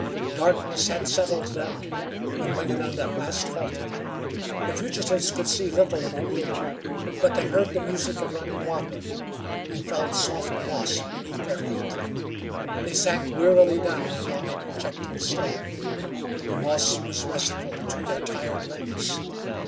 Darkness had settled down when Wingenund at last halted. The fugitives could see little in the gloom, but they heard the music of running water, and felt soft moss beneath their feet. They sank wearily down upon a projecting stone. The moss was restful to their tired limbs.